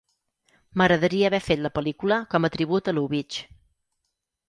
"M'agradaria haver fet la pel·lícula com a tribut a Lubitsch.